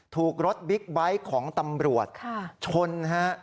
ถูกรถบิ๊กไบท์ของตำรวจชนฮะ